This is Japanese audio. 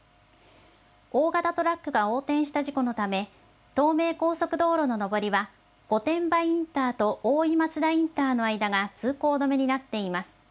大型トラックが横転した事故のため、東名高速道路の上りは、御殿場インターと大井松田インターの間が通行止めになっています。